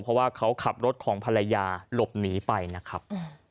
เพราะว่าเขาขับรถของภรรยาหลบหนีไปนะครับ